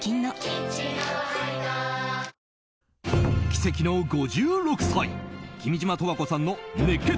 奇跡の５６歳君島十和子さんの熱血！